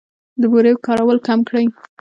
د بورې کارول کم کړئ.